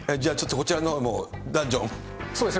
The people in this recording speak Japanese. こちらのほう、ダンジョン。